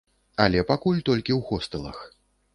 Але пакуль толькі ў хостэлах.